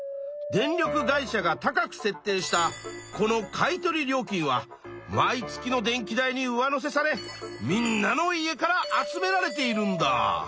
電力会社が高く設定したこの買い取り料金は毎月の電気代に上乗せされみんなの家から集められているんだ。